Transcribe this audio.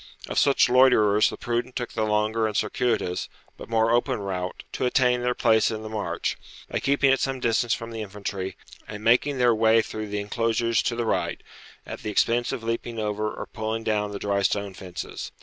Of such loiterers, the prudent took the longer and circuitous, but more open, route to attain their place in the march, by keeping at some distance from the infantry, and making their way through the inclosures to the right, at the expense of leaping over or pulling down the drystone fences.